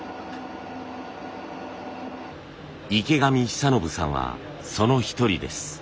池上央将さんはその一人です。